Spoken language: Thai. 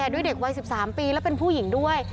ด้วยเด็กวัย๑๓ปีและเป็นผู้หญิงด้วย